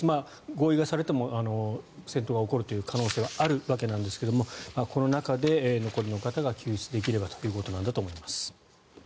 合意がされても戦闘は起こる可能性はあるわけですがこの中で残りの方が救出できればということなんだと思います。